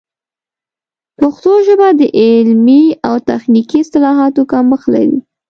پښتو ژبه د علمي او تخنیکي اصطلاحاتو کمښت لري.